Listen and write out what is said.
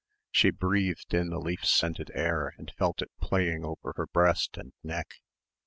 She breathed in the leaf scented air and felt it playing over her breast and neck.